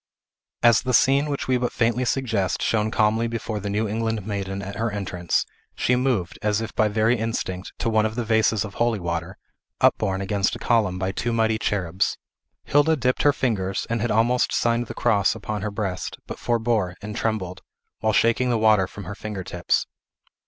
As the scene which we but faintly suggest shone calmly before the New England maiden at her entrance, she moved, as if by very instinct, to one of the vases of holy water, upborne against a column by two mighty cherubs. Hilda dipped her fingers, and had almost signed the cross upon her breast, but forbore, and trembled, while shaking the water from her finger tips.